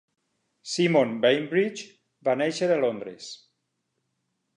Simon Bainbridge va néixer a Londres.